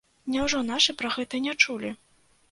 Няўжо нашы пра гэта не чулі?